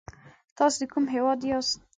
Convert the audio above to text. تاسې د کوم هيواد ياست؟